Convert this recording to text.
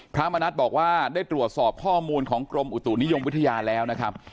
พระมณัฐบอกว่าได้ตรวจสอบข้อมูลของกรมอุตุนิยมวิทยาแล้วนะครับ